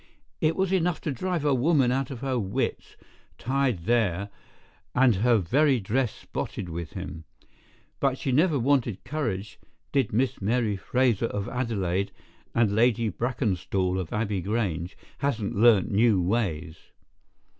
It was enough to drive a woman out of her wits, tied there, and her very dress spotted with him, but she never wanted courage, did Miss Mary Fraser of Adelaide and Lady Brackenstall of Abbey Grange hasn't learned new ways.